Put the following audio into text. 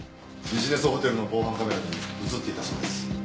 ビジネスホテルの防犯カメラに映っていたそうです。